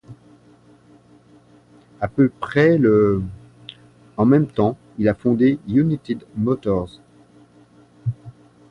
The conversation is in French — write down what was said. À peu près le En même temps, il a fondé United Motors.